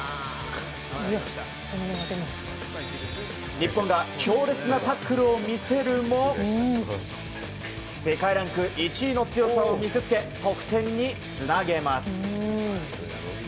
日本が強烈なタックルを見せるも世界ランク１位の強さを見せつけ得点につなげます。